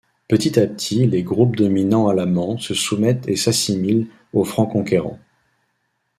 Petit à petit, les groupes dominants alamans se soumettent et s'assimilent aux Francs conquérants.